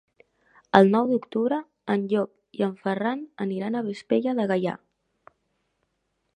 El nou d'octubre en Llop i en Ferran aniran a Vespella de Gaià.